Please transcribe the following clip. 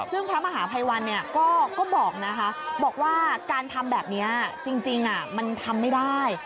ซึ่งพระมหาภัยวันเนี่ยก็บอกนะคะบอกว่าการทำแบบนี้จริงมันทำไม่ได้